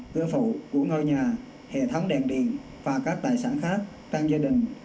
cửa phụ của ngôi nhà hệ thống đèn điện và các tài sản khác trong gia đình